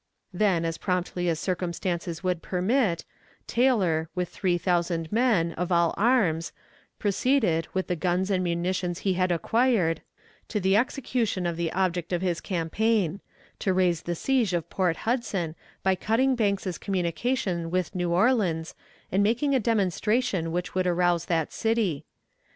Then, as promptly as circumstances would permit, Taylor, with three thousand men of all arms, proceeded, with the guns and munitions he had acquired, to the execution of the object of his campaign to raise the siege of Port Hudson, by cutting Banks's communication with New Orleans and making a demonstration which would arouse that city.